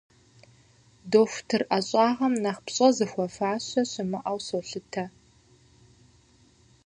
Дохутыр ӏэщӏагъэм нэхъ пщӏэ зыхуэфащэ щымыӏэу солъытэ.